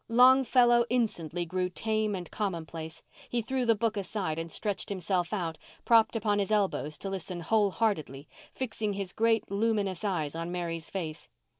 Longfellow instantly grew tame and commonplace. He threw the book aside and stretched himself out, propped upon his elbows to listen whole heartedly, fixing his great luminous eyes on Mary's face.